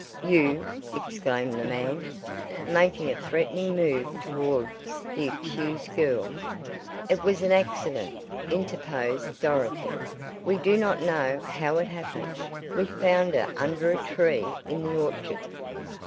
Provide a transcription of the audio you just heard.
"You!" exclaimed the man, making a threatening move towards the accused girl. "It was an accident," interposed Dorothy, "we do not know how it happened; we found her under a tree in the orchard."